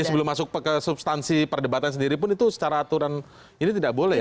tapi sebelum masuk ke substansi perdebatan sendiri pun itu secara aturan ini tidak boleh